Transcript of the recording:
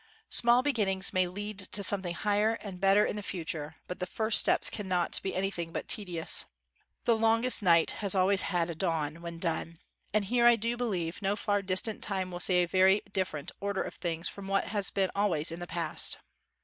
"Small beginnings may lead to some thing higher and better in the future, but the first steps cannot be anything but tedi ous. The longest night has always had a dawn when done, and here I do believe no far distant time will see a very different order of things from what has been always in the past.